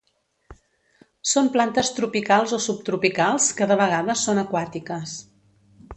Són plantes tropicals o subtropicals que de vegades són aquàtiques.